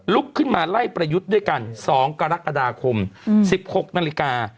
ลุกขึ้นมาไล่ประยุทธ์ด้วยกัน๒กรกฎาคม๑๖นาฬิกา